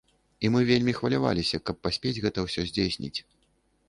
І мы вельмі хваляваліся, каб паспець гэта ўсё здзейсніць.